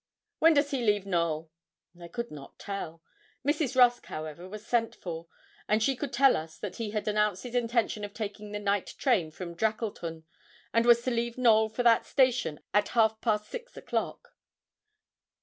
'When does he leave Knowl?' I could not tell. Mrs. Rusk, however, was sent for, and she could tell us that he had announced his intention of taking the night train from Drackleton, and was to leave Knowl for that station at half past six o'clock.